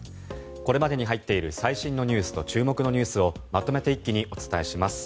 これまでに入っている最新ニュースと注目ニュースをまとめて一気にお伝えします。